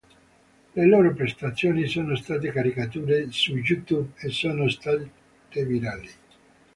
Le loro prestazioni sono state caricate su YouTube e sono state virali.